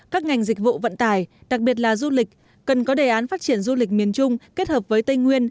các ngành dịch vụ vận tải đặc biệt là du lịch cần có đề án phát triển du lịch miền trung kết hợp với tây nguyên